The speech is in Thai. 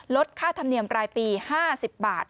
ค่าธรรมเนียมรายปี๕๐บาท